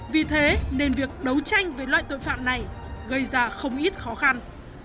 vì thế nên việc đấu tranh với loại tội phạm này gây ra không ít khó khăn